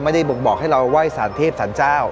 ไม่ได้บอกบอกให้เราว่ายสารเทพฯสารเจ้า